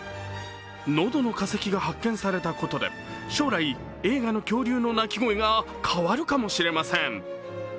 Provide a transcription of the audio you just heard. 喉の化石が発見されたことで、将来、映画の恐竜の鳴き声が変わるかもしれません。